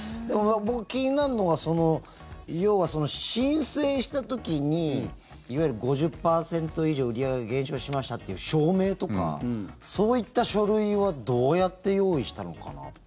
僕、気になるのは要は申請した時にいわゆる５０％以上売り上げ減少しましたという証明とかそういった書類はどうやって用意したのかなって。